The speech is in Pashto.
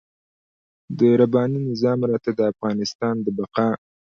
د رباني نظام راته د افغانستان د بقا.